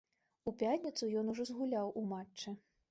У пятніцу ён ўжо згуляў у матчы.